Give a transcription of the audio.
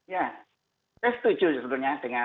ya saya setuju